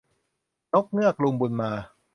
นกเงือก ลุงบุญมา